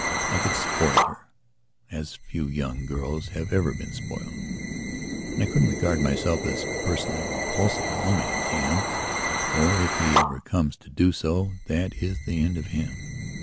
I could spoil her as few young girls have ever been spoiled; and I couldn't regard myself as personally repulsive. No man can, or if he ever comes to do so, that is the end of him.